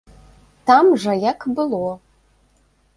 Там жа як было.